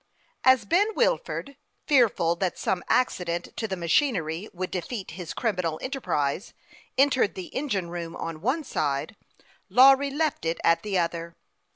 As Ben Wilford, fearful that some accident to the machinery would defeat his criminal enterprise, en tered the engine room on one side, Lawry left it at the. other.